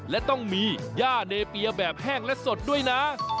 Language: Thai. และต้องมีย่าเนเปียแบบแห้งและสดด้วยนะ